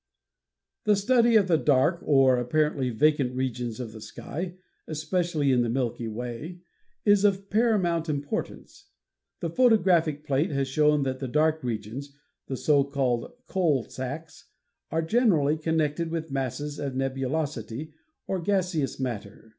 The study of the dark or apparently vacant regions of the sky, especially in the Milky Way, is of paramount importance. The photographic plate has shown that the dark regions (the so called "coal sacks") are generally connected with masses of nebulosity or gaseous matter.